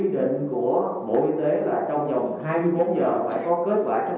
quy định của bộ y tế là trong vòng hai mươi bốn giờ phải có kết quả xác liệu f một